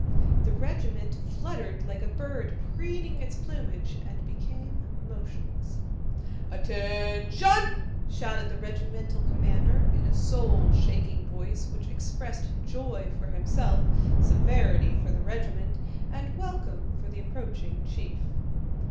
The regiment fluttered like a bird preening its plumage and became motionless. "Att ention!" shouted the regimental commander in a soul shaking voice which expressed joy for himself, severity for the regiment, and welcome for the approaching chief.